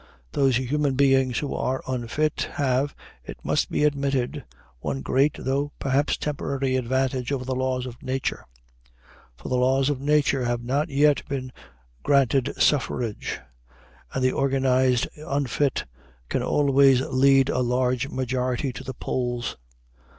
Those human beings who are unfit have, it must be admitted, one great, though perhaps temporary, advantage over the laws of nature; for the laws of nature have not yet been granted suffrage, and the organized unfit can always lead a large majority to the polls.